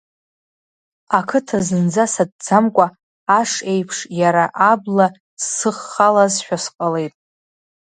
Ақыҭа зынӡа сатәӡамкәа, аш еиԥш иара абла сыххалазшәа сҟалеит.